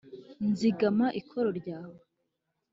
nzigama ikoro ryawe